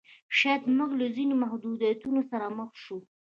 شاید موږ له ځینو محدودیتونو سره مخ شو.